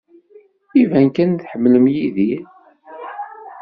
Iban kan tḥemmlem Yidir.